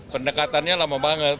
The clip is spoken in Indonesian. pendekatannya lama banget